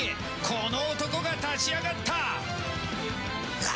この男が立ち上がった！